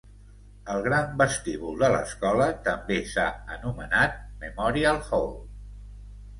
El gran vestíbul de l'escola també s'ha anomenat Memorial Hall.